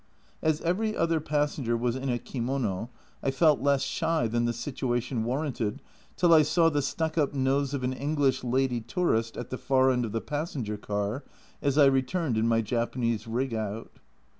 As every other passenger was in a kimono I felt less shy than the situation warranted, till I saw the stuck up nose of an English lady tourist at the far end of the passenger car as I returned in my Japanese rig out.